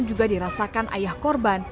juga dirasakan ayah korban